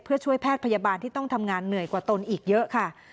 เพื่อช่วยแพทย์พยาบาลที่ต้องทำงานเหนื่อยกว่าตนอีกเยอะค่ะ